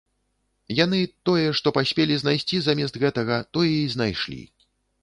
Яны тое, што паспелі знайсці замест гэтага, тое і знайшлі.